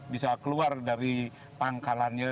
bisa keluar dari pangkalannya